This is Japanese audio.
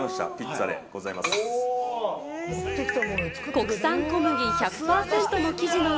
国産小麦１００％の生地の上